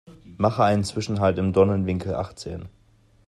Mache einen Zwischenhalt im Dornenwinkel achtzehn.